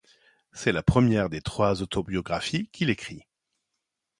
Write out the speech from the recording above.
C'est la première des trois autobiographies qu'il écrit.